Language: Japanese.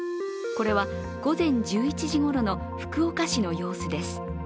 これは午前１１時ごろの福岡市の様子です。